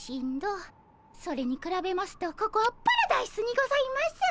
それにくらべますとここはパラダイスにございます。